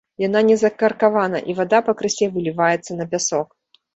Яна не закаркавана, і вада пакрысе выліваецца на пясок.